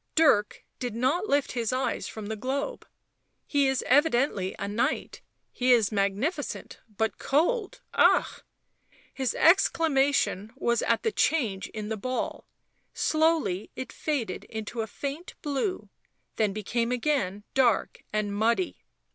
Dirk did not lift his eyes from the globe. "He is evidently a knight ... he is magnificent but cold ... ah !" His exclamation was at the change in the ball ; slowly it faded into a faint blue, then became again dark and muddy.